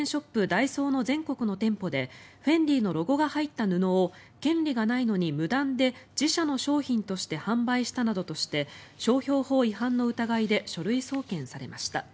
ダイソーの全国の店舗でフェンディのロゴが入った布を権利がないのに無断で自社の商品として販売したなどとして商標法違反の疑いで書類送検されました。